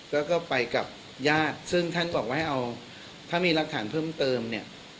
แล้วก็ไปกับญาติซึ่งท่านบอกว่าให้เอาถ้ามีรักฐานเพิ่มเติมเนี่ย